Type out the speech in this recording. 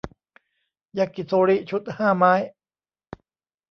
ยากิโทริชุดห้าไม้